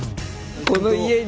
この家に？